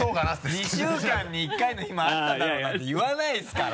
「２週間に１回の日もあっただろ」なんて言わないですから。